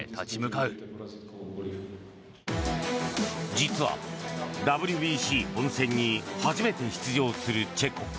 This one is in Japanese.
実は、ＷＢＣ本戦に初めて出場するチェコ。